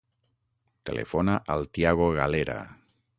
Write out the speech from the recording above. Telefona al Thiago Galera.